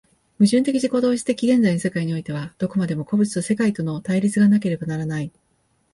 矛盾的自己同一的現在の世界においては、どこまでも個物と世界との対立がなければならない。